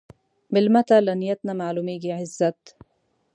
مېلمه ته له نیت نه معلومېږي عزت.